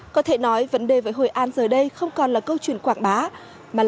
có thể nói vấn đề với hội an giờ đây không còn là câu chuyện quảng bá